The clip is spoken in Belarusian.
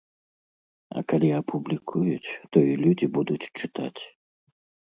А калі апублікуюць, то і людзі будуць чытаць.